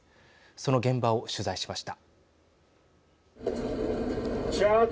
その現場を取材しました。